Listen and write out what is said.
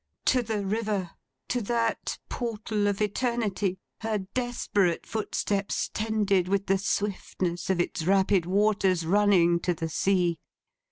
To the River! To that portal of Eternity, her desperate footsteps tended with the swiftness of its rapid waters running to the sea.